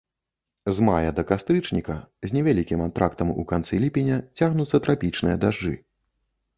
З мая да кастрычніка, з невялікім антрактам у канцы ліпеня, цягнуцца трапічныя дажджы.